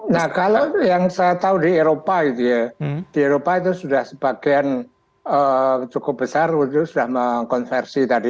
nah kalau yang saya tahu di eropa itu ya di eropa itu sudah sebagian cukup besar sudah mengkonversi tadi